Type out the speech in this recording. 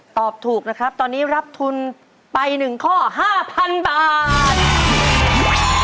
ตอบถูกนะครับตอนนี้รับทุนไป๑ข้อ๕๐๐๐บาท